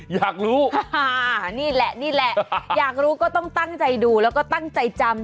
อยากรู้นี่แหละนี่แหละอยากรู้ก็ต้องตั้งใจดูแล้วก็ตั้งใจจำ